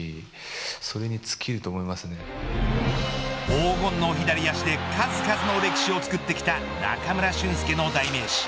黄金の左足で数々の歴史を作ってきた中村俊輔の代名詞